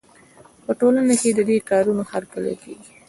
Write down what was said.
په ټولنه کې د دې کارونو هرکلی کېږي.